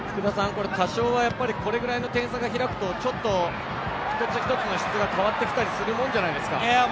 多少は、これぐらいの点差が開くと、一つ一つの質が変わってきたりするもんじゃないですか。